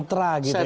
sentra gitu ya